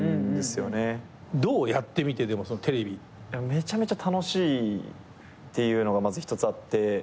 めちゃめちゃ楽しいっていうのがまず一つあって。